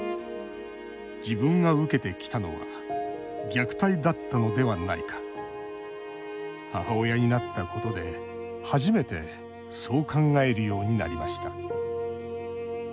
「自分が受けてきたのは虐待だったのではないか」。母親になったことで初めてそう考えるようになりました。